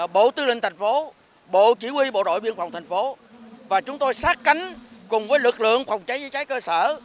bộ tư linh thành phố bộ chỉ huy bộ đội biên phòng thành phố và chúng tôi sát cánh cùng với lực lượng phòng cháy chữa cháy cơ sở